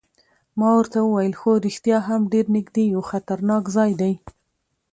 ما ورته وویل: هو رښتیا هم ډېر نږدې یو، خطرناک ځای دی.